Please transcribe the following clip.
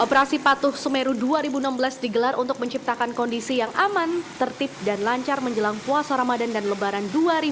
operasi patuh semeru dua ribu enam belas digelar untuk menciptakan kondisi yang aman tertib dan lancar menjelang puasa ramadan dan lebaran dua ribu delapan belas